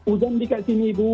udah dikasih nih bu